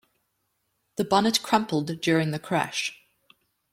The bonnet crumpled during the crash.